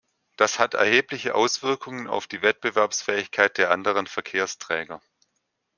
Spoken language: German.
Das hat erhebliche Auswirkungen auf die Wettbewerbsfähigkeit der anderen Verkehrsträger.